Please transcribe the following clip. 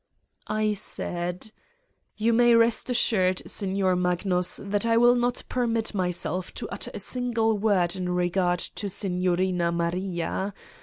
" I said :" You may rest assured, Signor Magnus, that I will not permit myself to utter a single word in regard to Signorina Maria.